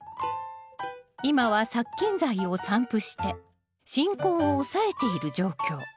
今は殺菌剤を散布して進行を抑えている状況。